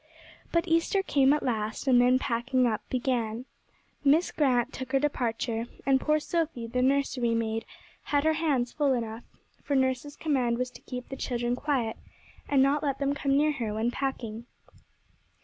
But Easter came at last, and then packing up began. Miss Grant took her departure, and poor Sophy, the nursery maid, had her hands full enough, for nurse's command was to keep the children quiet, and not let them come near her when packing.